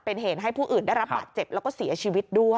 เป็นเหตุให้ผู้อื่นได้รับบาดเจ็บแล้วก็เสียชีวิตด้วย